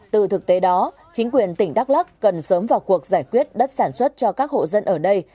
từ thực tế đó chính quyền tỉnh đắk lắc cần sớm vào cuộc giải quyết đất sản xuất cho các hộ dân ở đây